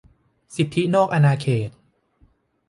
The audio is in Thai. สิทธินอกอาณาเขต